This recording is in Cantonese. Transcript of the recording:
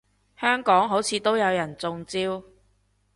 香港好似都有人中招